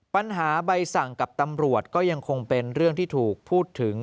ใบสั่งกับตำรวจก็ยังคงเป็นเรื่องที่ถูกพูดถึง